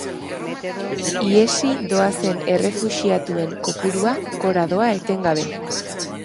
Ihesi doazen errefuxiatuen kopurua gora doa etengabe.